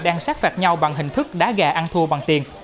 đang sát phạt nhau bằng hình thức đá gà ăn thua bằng tiền